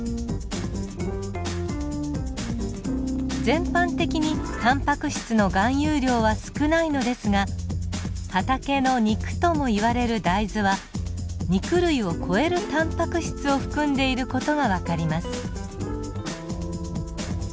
全般的にタンパク質の含有量は少ないのですが畑の肉とも言われる大豆は肉類を超えるタンパク質を含んでいる事が分かります。